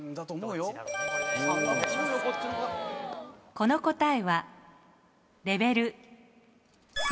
この答えはレベル３。